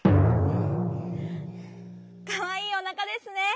かわいいおなかですね！